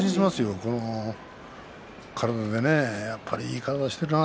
この体でいい体しているな。